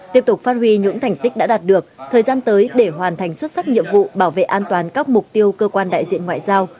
tiếp tục phát huy những thành tích đã đạt được thời gian tới để hoàn thành xuất sắc nhiệm vụ bảo vệ an toàn các mục tiêu cơ quan đại diện ngoại giao